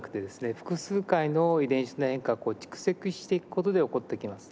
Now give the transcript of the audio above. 複数回の遺伝子の変化が蓄積していく事で起こってきます。